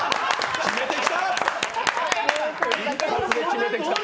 決めてきた！